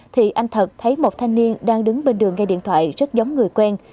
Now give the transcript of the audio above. thì anh thật thấy một thanh niên đang đứng bên đường nghe điện thoại rất giống người quen